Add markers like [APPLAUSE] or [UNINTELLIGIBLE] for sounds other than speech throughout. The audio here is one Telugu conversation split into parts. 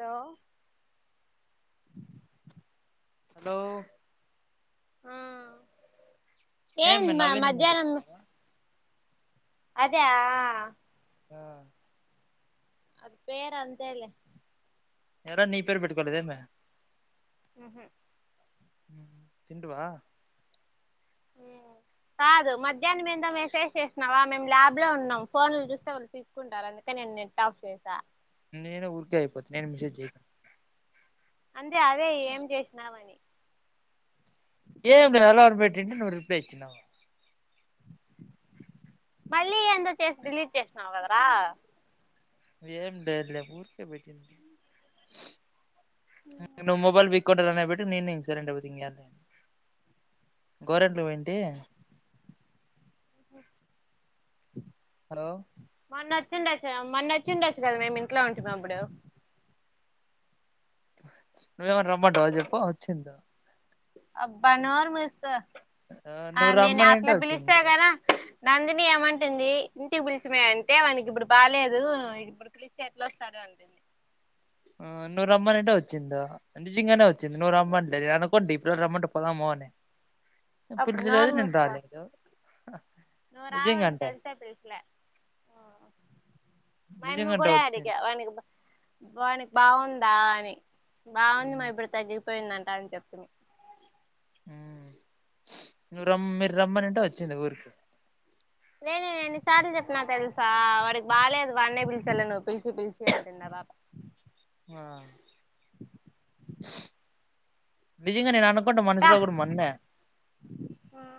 హలో హలో ఆ ఏంద ఏమ్మే మా నవీనన్న మధ్యాహ్నం పెట్టుకున్నావా అదే ఆ ఆ అది పేరు అంతేలే ఏర నీ పేరు పెట్టుకోలేదేమి ఊహు హు తిండువా కాదు మధ్యాహ్నం మీద మెసేజ్ చేసినావా మేము ల్యాబ్ లో ఉన్నాం ఫోన్లు చూస్తే వాళ్లు తీసుకుంటారు అందుకే నేను నెట్ ఆఫ్ చేసా నేను ఊరికే అయిపోతు నేను మిసేజ్ చెయ్యలే అంటే అదే ఏం చేసినావని ఏం ఇ ఎలవరం పోయింట ను రిప్లలేయన్నా మళ్ళీ ఎంతో చేసి డిలీట్ డ చేసినావు కదరా ఏం లే లే ఊరికే పెట్టిన నువ్వు మొబైల్ ఇక్క రనే పెట్టి నిను గోరింటాపెడతా గోరెంట్లు పోంటి [UNINTELLIGIBLE] హలో మొన్న అచ్చుండొచ్చు గదా మొన్న అచ్చుండొచ్చు గాదా మేము ఇంట్లో ఉంటానమ్ అప్పుడు నువ్వేమన్న రమ్మాటవ చెప్ప వచ్చింద అబ్బా నోరు ముసుకో ఆ నువ్వు నేను రమ్మనంటే అట్లా పిలిస్తా వచ్చిందా కదా నందిని ఏమంటుంది ఇంటికి పిలిచిమే అంటే మనకి ఇప్పుడు బాలేదు ఇప్పుడు పిలిచి ఎట్లా వస్తారు రంటడి ఆ నూర రమంటే అంటే వచ్చిందా నిజంగానే వచ్చింది నూవ్ రమంటే అ పోండి ఇప్పుడుల రమ్మంట పోదామని నువ్వు అప్పుడు పీల్చలేదు నేను రాలేదు నువ్వ రావని నిజంగంటే తెలిసే పిలచలే మా అమ్మ కి నిజంగంటే కూడాడి వచ్చింది అడిగా వానికి వానికి బాగుందా అని బాగుంది మా ఇప్పుడు తగ్గిఇది పోయిందంట అని చెప్తు నువ్వు రమ్ మీరు రమ్మని అంటే వచ్చింది ఊరికి నేను ఎన్నిసార్లు చెప్పిన తెలుసా వాడికి బాగాలేదు వాడినే పిలిచలే నువ్వు పిలిచి పిలిచి అంటుందా బాబా [UNINTELLIGIBLE] ఆ [UNINTELLIGIBLE] నిజంగా నేను అనుకుంటే దా మనసులో కూడా మొన్నే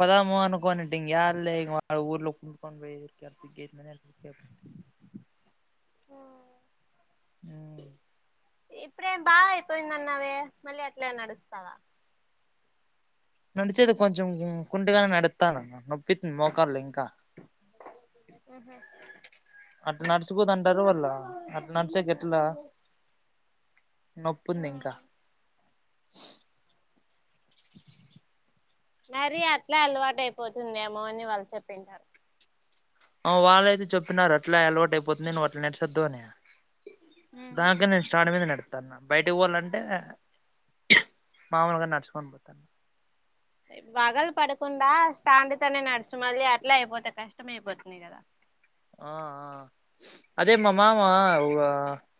పదాము అనుకోని యారుళ మా ఊర్లో కుంకొ బక సిగ్గేసింది. ఆ ఇప్పుడేం బాగా అయిపోయింద అన్నవే మళ్ళీ అట్లే నడుస్తావా, నడిచేది కొంచెం కుంటుగానే నడతన నొప్పి మోకాంల ఇంకా ఉహు అట్ నడుచుపో త అంటారు వాళ్ళ అట్ నడిచాకట్లా నొపుంది ఇంకా ఉమ్." మరి అట్లా అలవాటు అయిపోతుందేమో అని వాళ్ళు చెప్పింటారు, ఆ వాళ్ళైతే చెప్పినారు అట్లా అలవాటు అయిపోతుంది, నువ్వు అట్లా నడిచేయోదు, అని ఉమ్ దానిపైనే స్టాండ్ మీద నడువు న్న బయటకి పోవాలంటే మామూలుగా నడుచుకొని పోతాన్న, పగలు పడకుండా స్టాండ్ నడుచు మళ్ళీ అట్లా అయిపోతే కష్టం అయిపోతుంది. కదా ఆ అదేమ మామ ఇగా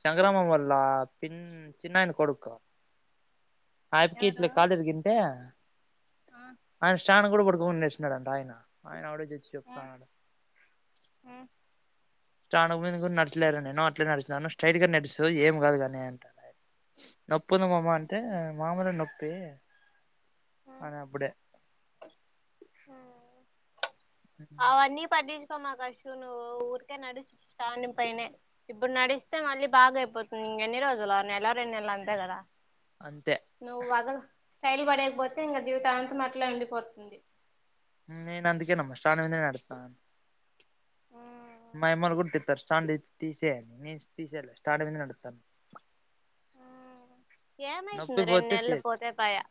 సంగ్రామంల్ళ పిన్ చిన్నయన్ కొడుకు, ఆయపుకి ఎవరు ఇట్ల కాలు ఇరిగింటే ఆయన స్టాండ్ కూడా పడుకోకుంట నాడిచినాడంట ఆయన ఆయన ఆవిడ వొచ్చి చెప్తానడు స్టాండ్ మీద నడిచి లేరు నేను అట్లే నడిచినాను స్ట్రైట్ గా నడుస్తూ ఏం కాదుగాని అంట నోప్ యాటున్నది మామ అంటే మాములు నొప్పి అన అప్పుడే ఉహు "ఉమ్, అవనీ పట్టించి మా కష్ నువ్వు ఊరికే నడిస్తు స్టాండ్ పనే ఇప్పుడు నడిస్తే మళ్ళీ బాగాయిపోతుంది. ఇంకా ఎన్ని రోజులు అ నెల్ల రెండు నెలలు అంతే కదా అంతే నువు వధ శైలి పడకపోతే ఇంకా దీవితంతో అట్లా ఉండిపోతుంది. నేను అందుకే నెమో స్టాండ్ మీదనే నడుస్తున్న ఉ మైమలు కుట్టి ఇస్తారు స్టాండ్ తీసేయాలి నేను తీసేయాలి స్టాండ్ మీదె నడుస్థానా, ఆ నొప్పి ఏమైతుంది రెండు పోతే తీ నెలలు పోతే పయా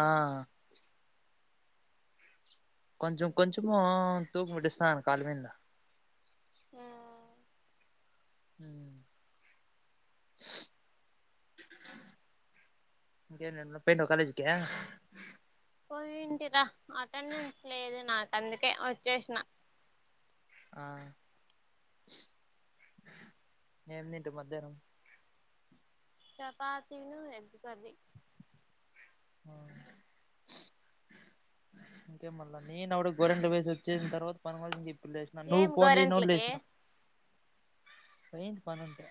ఆ కొంచెం కొంచము తూకు పెట్టిస్తాను, కాళ్ళ మీద ఊ హుమ్ ఇంకా ఏంది పోయినవా కాలేజీ కి పోయింటిరా అటెండెన్స్ లేదు నాకు అందుకే వచ్చేసిన, ఆ ఏమిందింటి మధ్యాహ్నం చపాతీ ను ఎగ్ కర్రీ ఆ ఇంకేంమల్ల నేను అవిడ గోరంట్ల పోయి వచ్చేసిన తర్వాత తన కోసం ఇప్పుడు లేచిన నువ్వు ఏం ఫోన్ చేసినవని గోరెంట్లకి లేచిన పోయింది పనుంటే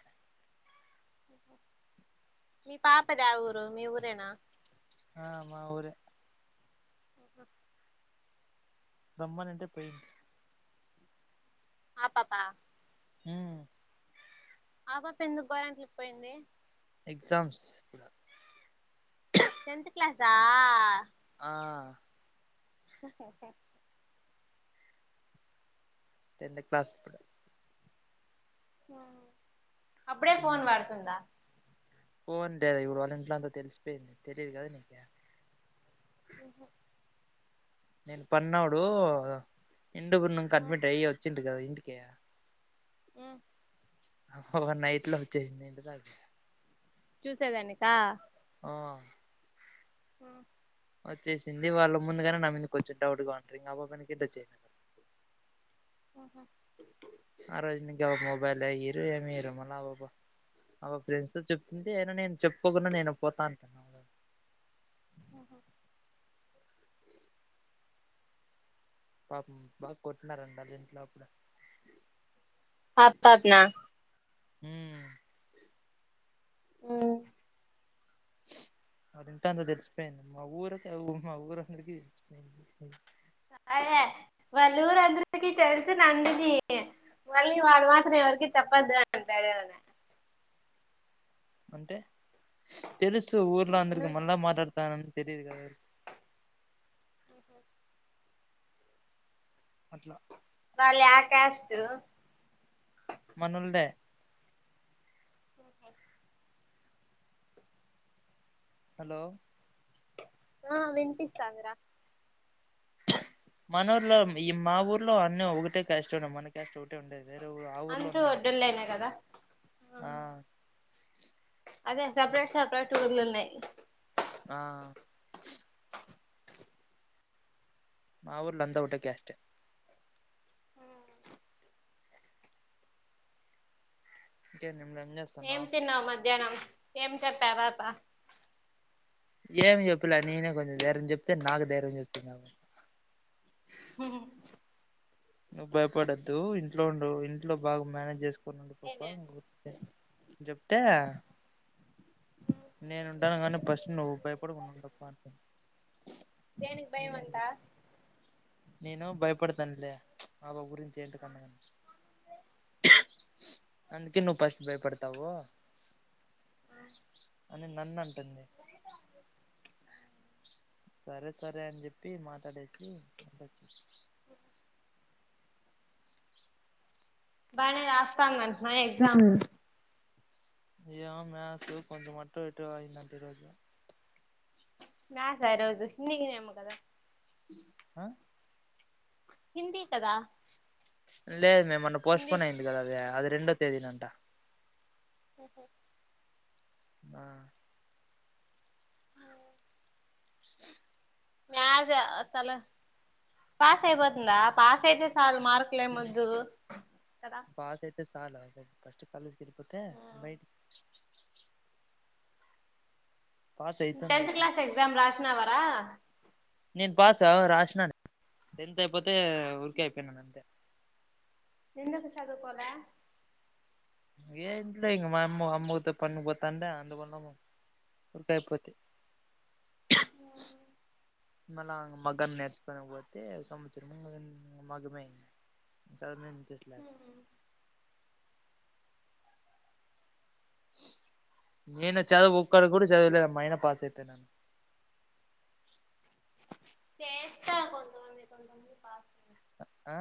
మీ పాప ది ఎ ఊరు మీ ఊరేనా ఆ మా ఊరే ఉహు రమ్మనంటే పోయింది. ఆపాప హుమ్ ఆపాప ఎందుకు గోరంట్లకి పోయింది ఎగ్జామ్స్ టెన్త్ క్లాసా ఆ హ హ హ హ టెన్త్ క్లాస్ ఇప్పుడు హా అప్పుడే ఫోన్ వాడుతుందా ఫోనుంటది ఇప్పుడు వాళ్ళ ఇంట్లో అంతా తెలిసిపోయింది తెలియదు కదా నీకి ఉహు నిన్న పడీనోడు ఇందగున్ను అడ్మిట్ ఐవాచిండు కాదైంటికే హ్మ్ అసల్ నైట్ లో వచ్చేసింది ఇంటి దాక చూసేదానిక హ హ వచ్చేసింది వాళ్ళ ముందుగానే నా మీద కొంచెం డౌట్ గా ఉంటారు ఇంకా పాప ఎనకీడితి వచ్చేసింది అహా ఒక మొబైల్ ఇయరు ఎం ఇయరు మల్లా పాప ఆ పాప ఫ్రెండ్స్ తో చెప్తుంది అయినా నేను చెప్పుకోకుండా నేను పోతాంటాను అహ పాపం బాగా కొట్టినారంట ఆల్లింట్లో అప్పుడు ఆ పాపనా హ్మ్మ్ హుమ్ [INAUDIBLE] అల్లింట్లో అంత తెలిసిపోయింది మా ఊరుకఊ మా ఊరందరికి తెలిసిపోయింది అదే వాళ్ళూరందరికీ తెలుసు నందికీ మళ్ళీ వాడు మాత్రం ఎవరికి చెప్పొద్దు అని అంటడు కదమే అంటే తెలుసు ఊర్లో అందరికి మళ్ళా మాట్లాడతన్నానని తెలిదు కదా ఆహ అట్లా వాళ్ళు యా కాస్ట్ మనోళ్లే ఆహ హలో ఆ వినిపిస్థాందిరా మన ఊర్లో ఈ మా ఊర్లో అన్నీ ఒకటే క్యాస్ట్ ఉన్నాయి మన క్యాస్ట్ ఉండేది వేరేఊ ఆ ఊర్లో అందరూ ఉన్నాయి ఇంకొకటి ఒడ్డోళ్ళేనే కదా ఆ అదే సపరేట్ సపరేటు ఊర్లు ఉన్నాయి ఆ మా ఊర్లో అంతా ఒకటే క్యాస్ట్ హమ్ కే నిమ్ల ఏం తిన్నావు మధ్యాహ్నం ఏం చెప్పారు పాప ఏం చెప్పలా నేనే కొంచెం ధైర్యం చెప్తే నాకు ధైర్యం చెప్తుంది ఆమె హు నువ్వు భయపడొద్దు ఇంట్లో ఉండు ఇంట్లో బాగా మేనేజ్ చేసుకో ఉండిపోతావు నేనే అని చెప్తే నేను ఉంటను కానీ ఫస్ట్ నువ్వు భయపడకుండా ఉండు దేనికి భయం అంట నేను భయపడతానులే అవ్వ గురించి ఏంటి కన్నా అందుకే నువ్వు ఫస్ట్ భయపడతావో ఆ అని నన్ను అంటుంది సరే సరే అని చెప్పి మాటాడేసి [INAUDIBLE] బానే రాస్తాంది అంటనా ఎగ్జామ్ ఏమో మ్యాసు కొంచెం అటు ఇటు అయ్యిందంట ఈరోజు మ్యాథ్స్ ఆ ఈ రోజు హిందీ ఏమో కదా ఆ హిందీ కదా లేదు మే మ్మొన్న పోస్ట్ హిందీ పోన్ అయ్యింది కదా అది అది రెండో తేదీ నంట [INAUDIBLE] [INAUDIBLE] [INAUDIBLE] మ్యాథ్స్ తల పాస్ అయిపోతుందా పాస్ అయితే సాలు మార్కులు ఏం ఒద్దు పాస్ అయితే సాలా ఫస్ట్ కాలేజ్ వెళ్ళిపోతే బైటి పాస్ అయితుంది టెన్త్ అయితే క్లాస్ ఎగ్జామ్ రాసినావా రా నేను పాస్ ఔ రాసినాను టెన్త్ అయిపోతే ఊరికే అయిపోయినాను అంతే ఎందుకు చదువుకోలే ఏంట్లే ఇంగ మా మామ్మ అమ్మతో పనికి పోతా అంటే [INAUDIBLE] ఊరికా ఐపోతి [INAUDIBLE] ఇవాళ మగ్గం నేర్చుకోనిపోతే సంవత్సరము [INAUDIBLE] చదిమిన్ హ్మ్ నేను చదువు ఒక్కటీ కూడా చదివలే అమ్మా అయినా పాస్ అయితన్నాను చేస్తార్ కొంతమంది కొంతమంది పాస్ ఆ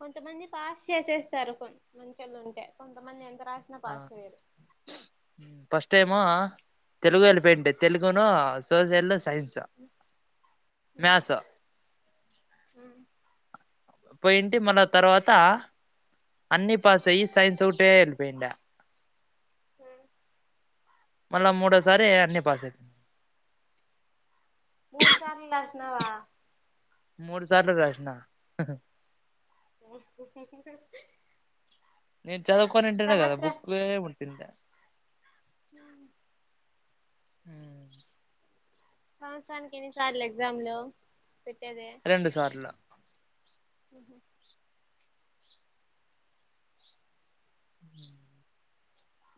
కొంతమంది పాస్ చేసేస్తారు మంచోళ్ళు ఉంటే కొంతమంది ఎంత రాసినా ఆ పాస్ చేయరు ఫస్ట్ ఏమో తెలుగు వెళ్ళిపో [UNINTELLIGIBLE] తెలుగును సోషల్, సైన్స్, మ్యాస్ హ్మ్ పోయింటి మళ్ళా తర్వాత అన్ని పాస్ అయ్యి సైన్స్ ఒక్కటే ఎలిపోయ్ ఇండ మళ్ళా మూడో సారి అని పాస్ పోవుండ మూడుసార్లు రాస్నావా మూడుసార్లు రాస్నా నేను చదువుకోన్నింటే కాదా సంవత్సర బుకే ముట్టిండ్ల హ మ్ సంవత్సరానికి ఎన్ని సార్లు ఎగ్జామ్ లో రెండు సార్లు హ్మ్ హు హ్మ్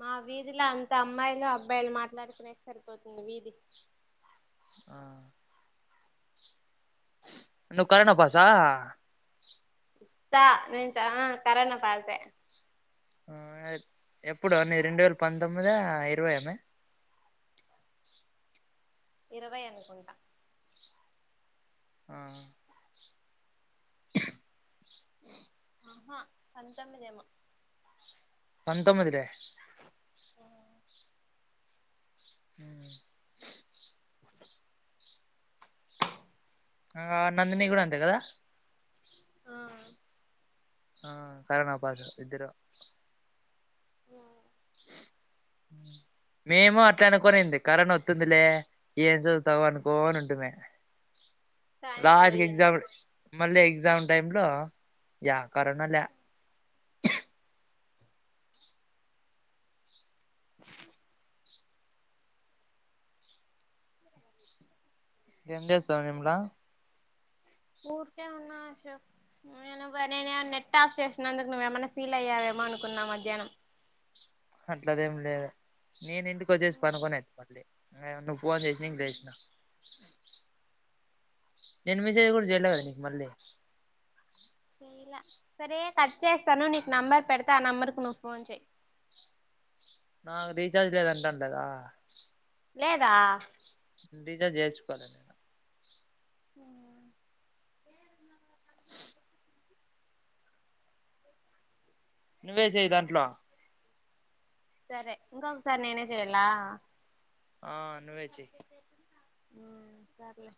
మా వీధిలో అంత అమ్మాయిలు అబ్బాయిలు మాట్లాడుకునేకి సరిపోతుంది వీధి ఆ నువ్వు కరోణా పాసా ఇస్తా నించా కరోనా పాసే ఆ ఎప్పుడు నీది రెండు వేల పంతొమ్మిద ఇరవైఆ మే ఇరవై అనుకుంటా ఆ ఆహా పంతొమ్మిది ఏమో పంతొమ్మిది లే ఆ ఊ ఆ నందిని గూడా అంతే గదా ఆ ఆ కరోణ పాసు ఇద్దరు యా ఉ మేము అట్లే అనుకోనింది కరోన వొత్తుందిలే ఏం సదువుతావు అనుకోని ఉంటిమి కానీ లాట్కి ఎగ్జా పోయింది మళ్ళీ ఎగ్జామ్ టైమ్ంలో యా కరోనా లా ఏం జేస్తావ్ నిర్మల ఊరికే వున్నా అశోక్ నేను [UNINTELLIGIBLE] నెట్ ఆఫ్ చేసినందుకు నువ్వేమన్నా ఫీల్ అయ్యావేమో అనుకున్నా మధ్యానం అట్లాదేం లేదు నేను ఇంటికొచ్చేసి పనుకొనేత్తి మళ్ళీ నువ్వు ఫోన్ జేసినంక్ లేస్నా నేన్ మెసేజ్ గుడా జేయల గద నీకు మళ్ళీ చెయ్ రా సరే కట్ చేస్తాను నీకు నెంబర్ పెడత ఆ నంబరుకి నువ్వు ఫోన్ చెయ్ నాకు రీఛార్జ్ లేదు అంటాల్నేదా లేదా [UNINTELLIGIBLE] జేయిచ్చుకోల నేను వా నువ్వే సెయ్ దాంట్లో సరే ఇంకా ఒకసారి నేనే జెయ్యల్ల ఆ నువ్వే చెయ్ ఊ సర్లే